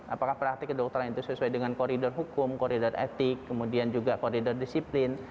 apakah praktik kedokteran itu sesuai dengan koridor hukum koridor etik kemudian juga koridor disiplin